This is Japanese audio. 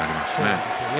そうですね。